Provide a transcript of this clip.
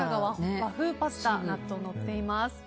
和風パスタ、納豆のっています。